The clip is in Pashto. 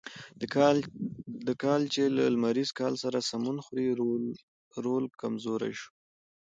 د کال چې له لمریز کال سره سمون خوري رول کمزوری شو.